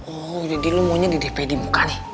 oh jadi lo maunya di dp di muka nih